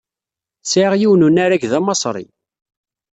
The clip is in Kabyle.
Sɛiɣ yiwen n unarag d amaṣri.